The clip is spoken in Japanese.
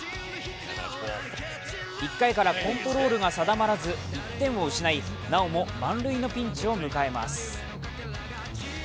１回からコントロールが定まらず１点を失い、なおも満塁のピンチを迎えます。